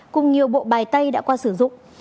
cùng nhiều bộ bài tay đã qua sử dụng